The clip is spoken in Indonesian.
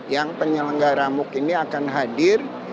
yang penyelenggara muk ini akan hadir